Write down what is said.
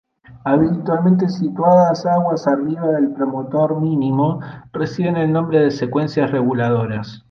Habitualmente situadas aguas arriba del promotor mínimo, reciben el nombre de secuencias reguladoras.